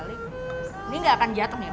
ini nggak akan jatuh ya pak